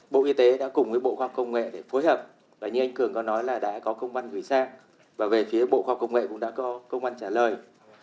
bộ y tế đã cùng với bộ khoa công nghệ để phối hợp và như anh cường có nói là đã có công văn gửi sang và về phía bộ khoa học công nghệ cũng đã có công an trả lời